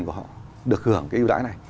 của họ được hưởng cái ưu đại này